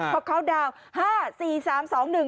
พอเขาดาวน์๕๔๓๒๑